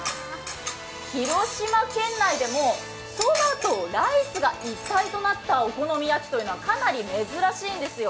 広島県内でも、そばとライスが一体となったお好み焼きというのはかなり珍しいんですよ。